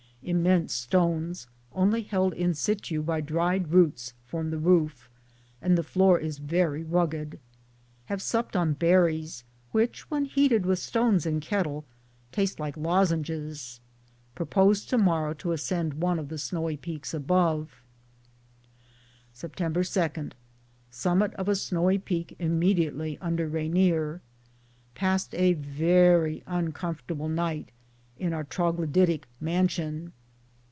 Immense stones, only held in situ by dried roots, form the roof, and the floor is very rugged. Have supped on berries, which, when heated with stones in kettle, taste like lozenges. Propose tomorrow to ascend one of the snowy peaks above. Sept. 2. Summit of a snowy peak immediately under Rainier. Passed a very uncomfortable night in our troglodytic mansion.